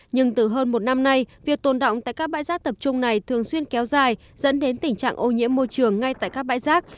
nhưng từ hơn một năm nay việc tồn động tại các bãi rác tập trung này thường xuyên kéo dài dẫn đến tình trạng ô nhiễm môi trường ngay tại các bãi rác